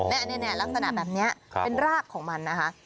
นี่ลักษณะแบบนี้เป็นรากของมันนะคะ